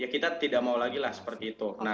kita tidak mau lagi lah seperti itu